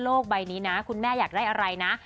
ใบนี้นะคุณแม่อยากได้อะไรนะ